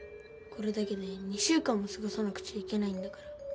これだけで２週間も過ごさなくちゃいけないんだから。